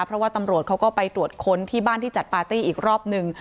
เพราะว่าตำรวจเขาก็ไปตรวจค้นที่บ้านที่จัดปาร์ตี้อีกรอบหนึ่ง